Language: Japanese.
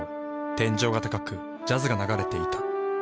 天井が高くジャズが流れていた。